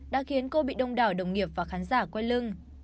đã khiến cô bị đông đảo đồng nghiệp và khán giả quay lưng